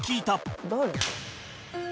「誰？」